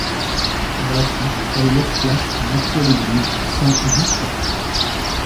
Par la suite, elle laisse place à l'actuelle église Saint-Wystan.